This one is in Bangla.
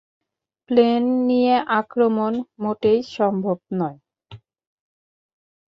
প্লেন নিয়ে আক্রমণ মোটেই সম্ভব নয়।